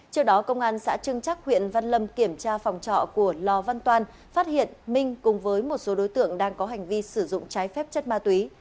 trước đó công an xã trưng chắc huyện văn lâm kiểm tra phòng trọ của lò văn toan phát hiện minh cùng với một số đối tượng đang có hành vi sử dụng trái phép chất ma túy